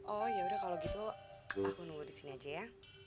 oh yaudah kalau gitu aku nunggu di sini aja ya